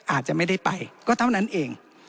อาจจะไม่ได้ไปก็เท่านั้นเอง